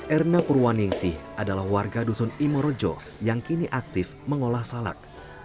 erna purwaningsih adalah warga dusun imorojo yang kini aktif mengolah salak